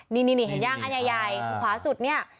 นี่เห็นย่างอันใหญ่ขวาสุดเนี่ย